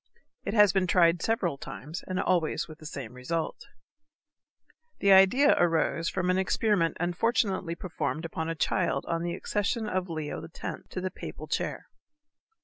It has been tried several times and always with the same result. The idea arose from an experiment unfortunately performed upon a child on the accession of Leo X. to the papal chair.